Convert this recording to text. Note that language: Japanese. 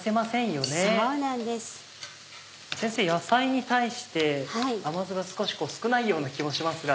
先生野菜に対して甘酢が少し少ない気もしますが。